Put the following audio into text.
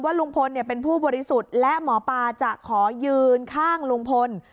ลุงพลเป็นผู้บริสุทธิ์และหมอปลาจะขอยืนข้างลุงพล